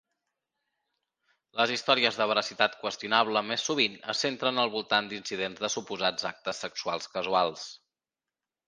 Les històries de veracitat qüestionable més sovint es centren al voltant d'incidents de suposats actes sexuals casuals.